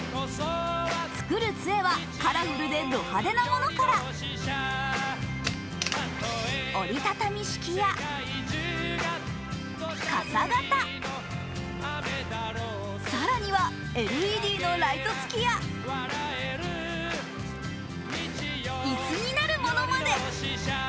作る杖はカラフルでド派手なものから、折り畳み式や傘型、更にはＬＥＤのライト付きや椅子になるものまで。